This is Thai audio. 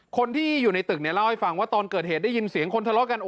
คนที่อยู่ในตึกเนี่ยเล่าให้ฟังว่าตอนเกิดเหตุได้ยินเสียงคนทะเลาะกัน